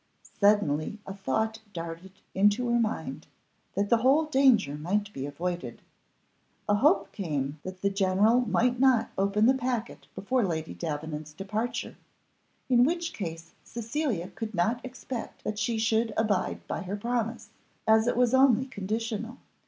Suddenly a thought darted into her mind, that the whole danger might be avoided. A hope came that the general might not open the packet before Lady Davenant's departure, in which case Cecilia could not expect that she should abide by her promise, as it was only conditional.